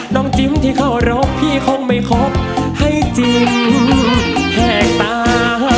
น้องจิ้มที่เข้ารบพี่คงไม่คบให้จิ้มแฮกตา